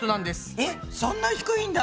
えっそんな低いんだ！